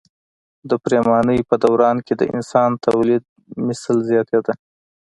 د پریمانۍ په دوران کې د انسان تولیدمثل زیاتېده.